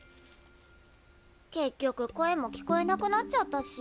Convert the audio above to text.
結局声も聞こえなくなっちゃったし。